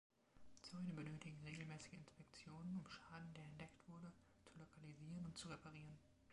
Zäune benötigen regelmäßige Inspektionen, um Schaden, der entdeckt wurde, zu lokalisieren und zu reparieren.